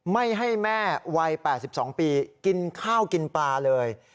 ไม่ให้แม่วัย๘๒ปีกินข้าวกินปลาเลย